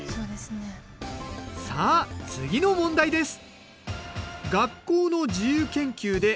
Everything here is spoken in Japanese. さあ次の問題です。